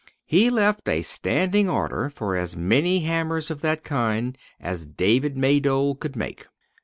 He left a standing order for as many hammers of that kind as David Maydole could make.